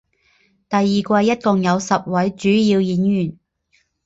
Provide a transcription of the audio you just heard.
第二季一共有十位主要演员。